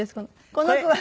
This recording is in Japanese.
この子は。